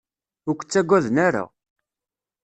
Ur k-ttagaden ara.